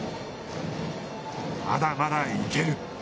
まだまだいける。